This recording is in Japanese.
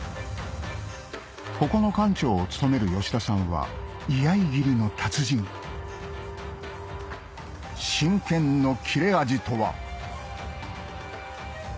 ここの館長を務める吉田さんは居合斬りの達人真剣の斬れ味とは？